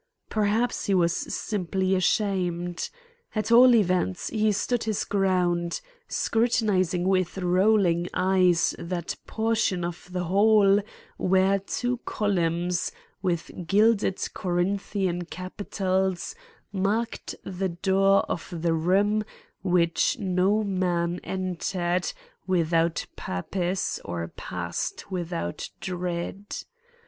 Perhaps he was simply ashamed. At all events he stood his ground, scrutinizing with rolling eyes that portion of the hall where two columns, with gilded Corinthian capitals, marked the door of the room which no man entered without purpose or passed without dread.